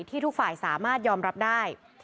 ทุกฝ่ายสามารถยอมรับได้